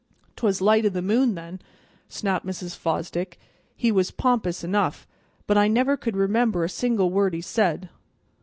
"'Twas light o' the moon, then," snapped Mrs. Fosdick; "he was pompous enough, but I never could remember a single word he said.